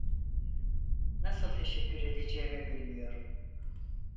Nasıl teşekkür edeceğimi bilmiyorum.